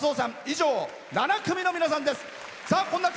以上、７組の皆さんです。